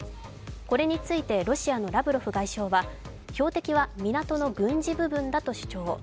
これについて、ロシアのラブロフ外相は標的は港の軍事部分だと主張。